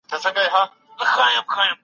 د نجيب په قربانۍ باندې پوره شي